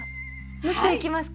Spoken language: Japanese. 縫っていきますか。